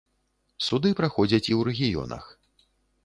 Суды праходзяць і ў рэгіёнах.